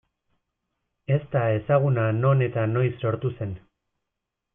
Ez da ezaguna non eta noiz sortu zen.